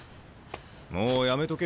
もうやめとけよ。